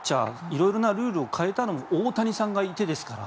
色々なルールを変えたのも大谷さんがいてですから。